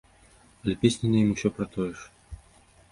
Але песні на ім усё пра тое ж!